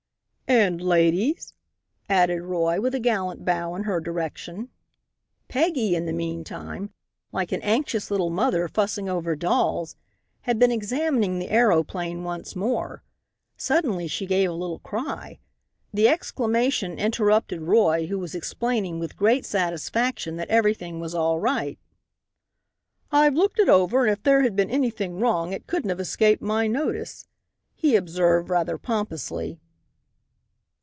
"And ladies," added Roy, with a gallant bow in her direction. Peggy in the meantime, like an anxious little mother fussing over dolls, had been examining the aeroplane once more. Suddenly she gave a little cry. The exclamation interrupted Roy who was explaining, with great satisfaction, that everything was all right. "I've looked it over and if there had been anything wrong it couldn't have escaped my notice," he observed rather pompously.